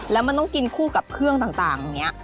แล้วมันต้องกินคู่กับเครื่องต่างอย่างนี้